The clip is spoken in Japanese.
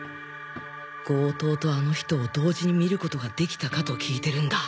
強盗とあの人を同時に見ることができたかと聞いてるんだ。